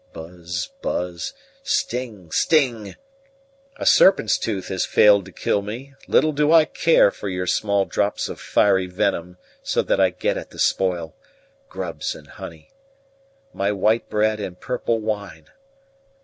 Buzz buzz! Sting sting! A serpent's tooth has failed to kill me; little do I care for your small drops of fiery venom so that I get at the spoil grubs and honey. My white bread and purple wine!